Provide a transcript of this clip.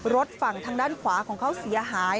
รถฝั่งทางด้านขวาของเขาเสียหาย